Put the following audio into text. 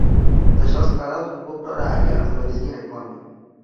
Začal skládat hudbu pro rádia a televizní reklamy.